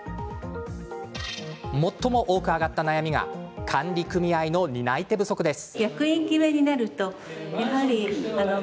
最も多く挙がった悩みが管理組合の担い手不足です。